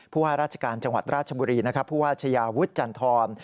ผู้ห้าราชการจังหวัดราชบุรีผู้ห้าชยาวุฒิจันทร